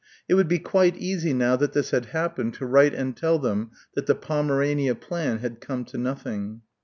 It would be quite easy now that this had happened to write and tell them that the Pomerania plan had come to nothing.